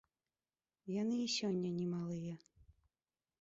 Яны і сёння не малыя.